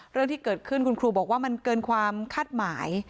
เรื่องที่เกิดขึ้นคุณครูบอกว่ามันเกินความคาดหมาย